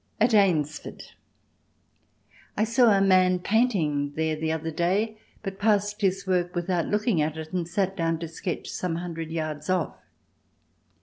At Eynsford I saw a man painting there the other day but passed his work without looking at it and sat down to sketch some hundred of yards off.